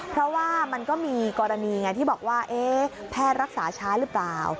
เพราะว่ามันก็มีกรณีไงที่บอกว่าแพทย์รักษาช้าหรือเปล่า